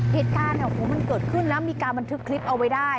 เหตุการณ์มันเกิดขึ้นนะมีการบันทึกคลิปเอาไว้ได้